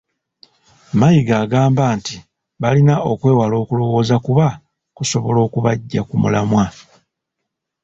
Mayiga agamba nti balina okwewala okulowooza kuba kusobola okubaggya ku mulamwa.